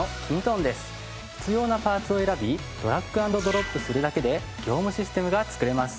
必要なパーツを選びドラッグ＆ドロップするだけで業務システムが作れます。